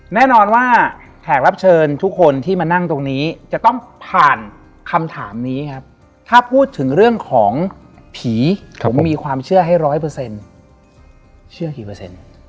แน่นอนว่าแขกรับเชิญทุกคนที่มานั่งตรงนี้จะต้องผ่านคำถามนี้ครับถ้าพูดถึงเรื่องของผีผมมีความเชื่อให้ร้อยเปอร์เซ็นต์เชื่อกี่เปอร์เซ็นต์